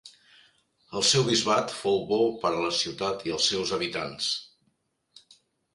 El seu bisbat fou bo per a la ciutat i els seus habitants.